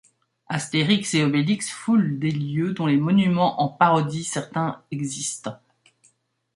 Astérix et Obélix foulent des lieux dont les monuments en parodient certains existants.